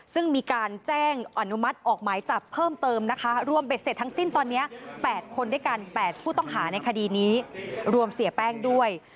ซึ่งมีการแจ้งอนุมัติออกหมายจับเพิ่มเติมนะคะรวมเบ็ดเสร็จทั้งสิ้นตอนนี้๘คนด้วยกัน๘ผู้ต้องหาในคดีนี้รวมเสียแป้งด้วย